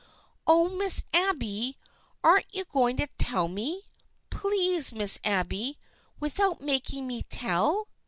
" Oh, Miss Abby ! Aren't you going to tell me ? Please, Miss Abby, without making me tell